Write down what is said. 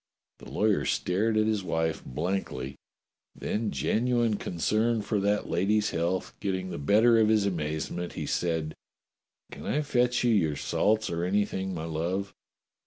The lawyer stared at his wife blankly, then genuine concern for that lady's health getting the better of his amazement, he said: "Can I fetch you your salts or anything, my love?